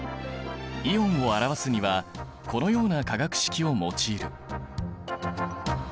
イオンを表すにはこのような化学式を用いる。